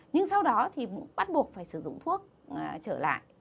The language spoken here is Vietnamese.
nhưng sau đó thì bắt buộc phải sử dụng thuốc trở lại